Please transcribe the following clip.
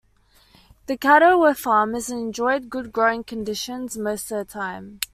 The Caddo were farmers and enjoyed good growing conditions most of the time.